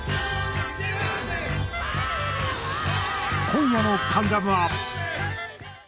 今夜の『関ジャム』は。